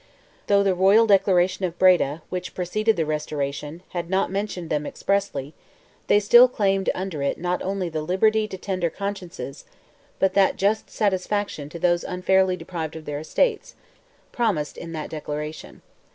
Though the royal declaration of Breda, which preceded the restoration, had not mentioned them expressly, they still claimed under it not only the "liberty to tender consciences," but that "just satisfaction" to those unfairly deprived of their estates, promised in that declaration.